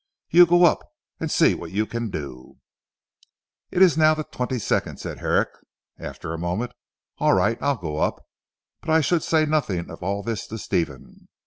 You go up and see what you can do." "It is now the twenty second," said Herrick after a moment. "All right, I'll go up. But I should say nothing of all this to Stephen."